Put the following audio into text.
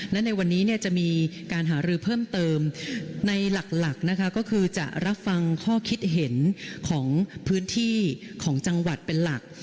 และในวันนี้จะมีการหารือเพิ่มเติมในหลักนะคะก็คือจะรับฟังข้อคิดเห็นของพื้นที่ของจังหวัดเป็นหลัก